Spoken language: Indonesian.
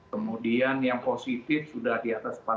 kemudian yang positif sudah di atas empat puluh orang